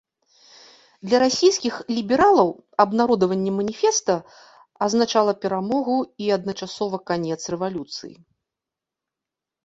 Для расійскіх лібералаў абнародаванне маніфеста азначала перамогу і адначасова канец рэвалюцыі.